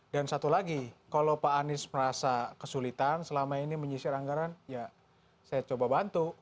dan satu lagi kalau pak anies merasa kesulitan selama ini menyisir anggaran ya saya coba bantu